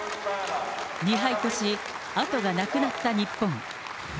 ２敗とし、後がなくなった日本。